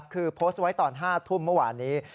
คือโพสต์ไว้ตอน๕ทุ่มเมื่อวานนี้